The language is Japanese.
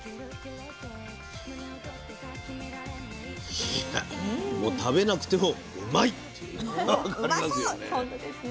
いやもう食べなくてもうまいっていうのが分かりますね。